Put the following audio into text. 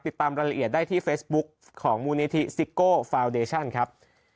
ติดตามรายละเอียดได้ที่เฟซบุ๊คของมูลนิธิซิโก้ฟาวเดชั่นครับ